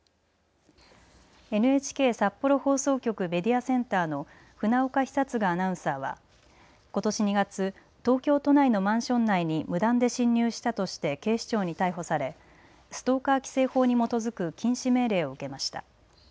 ＮＨＫ札幌放送局メディアセンターの船岡久嗣アナウンサーはことし２月東京都内のマンション内に無断で侵入したとして警視庁に逮捕されストーカー規制法に基づく禁止命令を受けました。